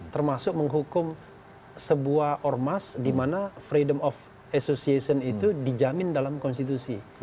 termasuk menghukum sebuah ormas di mana freedom of association itu dijamin dalam konstitusi